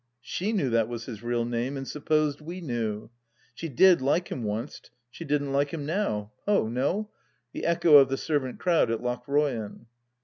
She knew that was his real name, and supposed we knew. She did like him onst ; she didn't like him now — Ho, no 1 The echo of the servant crowd at Lochroyan